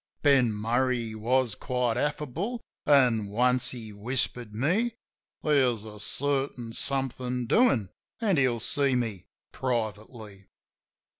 Ben Murray was quite affable, an' once he whispered me There's a certain somethin' doin', an' he'll see me privately.